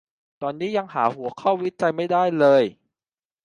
ตอนนี้ยังหาหัวข้อวิจัยไม่ได้เลย